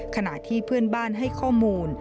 ขณะที่เพื่อนบ้านให้ข้อมูล